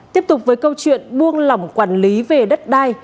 tiếp tục với câu chuyện buông lỏng quản lý về đất đai